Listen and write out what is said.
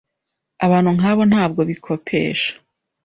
abantu nkabo ntabwo bikopesha